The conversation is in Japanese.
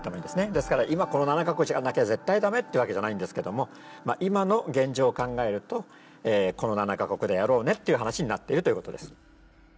ですから今この７か国じゃなきゃ絶対駄目ってわけじゃないんですけども今の現状を考えるとこの７か国でやろうねっていう話になっているということです。